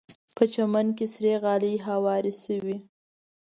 په چمن کې سرې غالۍ هوارې شوې.